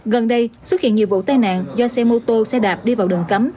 gần đây xuất hiện nhiều vụ tai nạn do xe mô tô xe đạp đi vào đường cấm